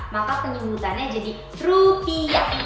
maka penyembuhannya jadi rupiah